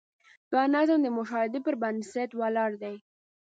دا نظم د مشاهدې پر بنسټ ولاړ دی.